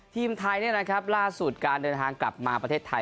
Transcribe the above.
ทีมไทยเนี่ยนะครับล่าสุดการเดินทางกลับมาประเทศไทย